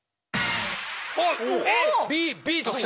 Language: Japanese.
おっＡＢＢときた。